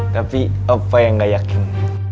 tapi apa yang gak yakin